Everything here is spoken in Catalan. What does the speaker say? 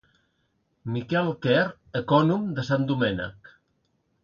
Miquel Quer ecònom de Sant Domènec.